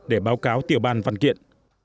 để báo cáo tiểu ban văn kiện